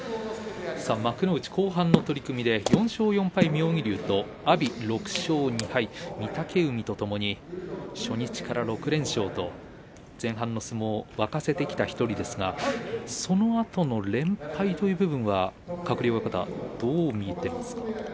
幕内後半の取組で４勝４敗、妙義龍と阿炎、６勝２敗御嶽海とともに初日から６連勝と前半の相撲を沸かせてきた１人ですがそのあとの連敗という部分は鶴竜親方はどう見ていますか？